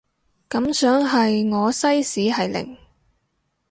感想係我西史係零